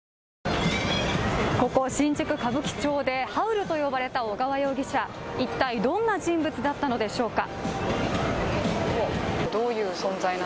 ここ新宿・歌舞伎町でハウルと呼ばれた小川容疑者、一体、どんな人物だったのでしょうか？